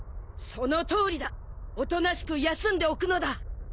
そのとおりだおとなしく休んでおくのだ。